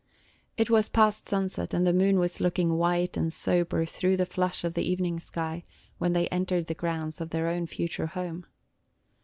It was past sunset, and the moon was looking white and sober through the flush of the evening sky, when they entered the grounds of their own future home.